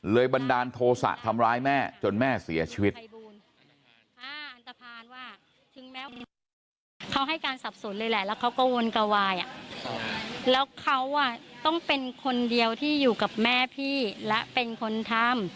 บันดาลโทษะทำร้ายแม่จนแม่เสียชีวิต